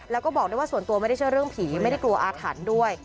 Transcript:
แต่ว่าส่วนตัวไม่ได้เชื่อเรื่องผีไม่ได้กลัวอาถรรพ์ด้วย